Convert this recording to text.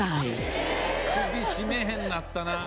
首絞めへんなったな。